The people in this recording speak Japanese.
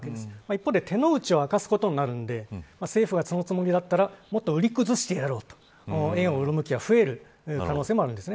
一方で、手の内を明かすことになるので政府は、そのつもりだったらもっと売り崩してやろうと円を売る向きが増える可能性もあるんです。